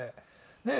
ねえ。